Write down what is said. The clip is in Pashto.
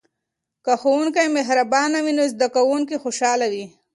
که ښوونکی مهربانه وي نو زده کوونکي خوشحاله وي.